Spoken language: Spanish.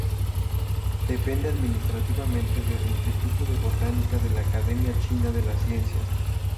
Depende administrativamente del Instituto de Botánica de la Academia China de las Ciencias.